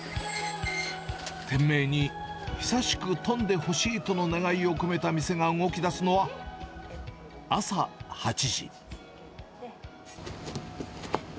店名に、久しく富んでほしいとの願いを込めた店が動き出すのは、朝８時。